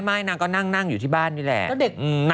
นางก็นั่งอยู่ที่บ้านนี่แหละ